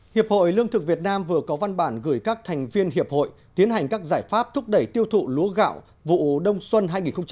hiệp hội lương thực việt nam vừa có văn bản gửi các thành viên hiệp hội tiến hành các giải pháp thúc đẩy tiêu thụ lúa gạo vụ đông xuân hai nghìn một mươi chín hai nghìn hai mươi